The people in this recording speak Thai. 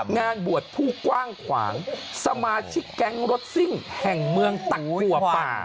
งานบวชผู้กว้างขวางสมาชิกแก๊งรถซิ่งแห่งเมืองตักกัวป่า